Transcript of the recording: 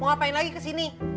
mau ngapain lagi kesini